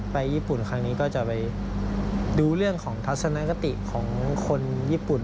ญี่ปุ่นครั้งนี้ก็จะไปดูเรื่องของทัศนคติของคนญี่ปุ่น